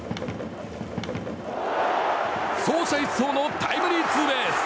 走者一掃のタイムリーツーベース！